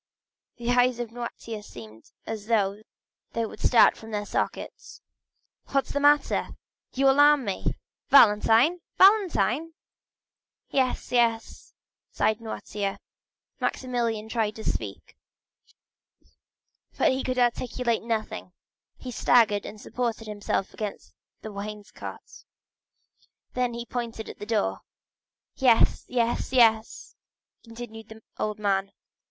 The eyes of Noirtier seemed as though they would start from their sockets. "What is the matter? You alarm me. Valentine? Valentine?" "Yes, yes," signed Noirtier. Maximilian tried to speak, but he could articulate nothing; he staggered, and supported himself against the wainscot. Then he pointed to the door. "Yes, yes, yes!" continued the old man.